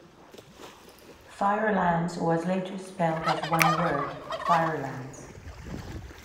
"Fire Lands" was later spelled as one word: "Firelands.